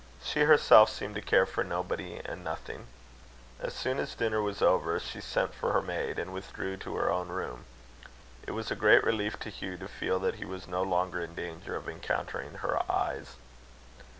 She herself seemed to care for nobody and nothing. As soon as dinner was over, she sent for her maid, and withdrew to her own room. It was a great relief to Hugh to feel that he was no longer in danger of encountering her eyes.